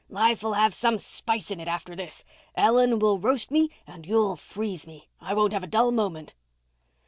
Life'll have some spice in it after this. Ellen will roast me and you'll freeze me. I won't have a dull moment."